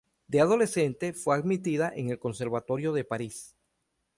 De adolescente fue admitida en el Conservatorio de París.